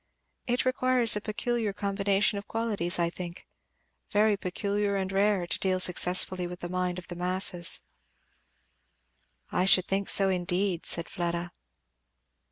It requires a peculiar combination of qualities, I think, very peculiar and rare, to deal successfully with the mind of the masses." "I should think so indeed," said Fleda.